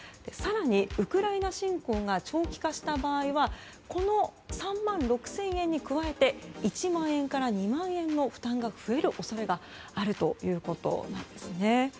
更に、ウクライナ侵攻が長期化した場合はこの３万６０００円の加えて１万円から２万円の負担が増える恐れがあるということなんです。